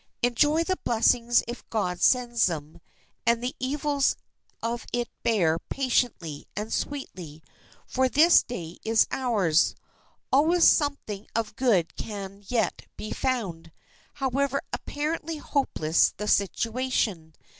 Enjoy the blessings if God sends them, and the evils of it bear patiently and sweetly, for this day is ours. Always something of good can yet be found, however apparently hopeless the situation.